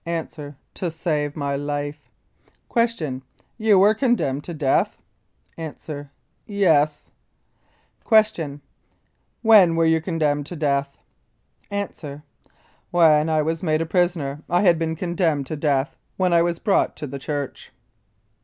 A. To save my life. Q. You were condemned to death? A. Yes. Q. When were you condemned to death? A. When I was made prisoner I had been condemned to death, when I was brought to the church.